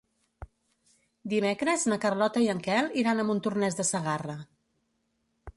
Dimecres na Carlota i en Quel iran a Montornès de Segarra.